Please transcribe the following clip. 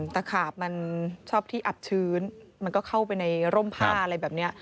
ตะขาบมันชอบที่อับชื้นมันก็เข้าไปในร่มผ้าอะไรแบบนี้